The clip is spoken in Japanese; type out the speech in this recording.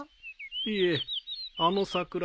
いえあの桜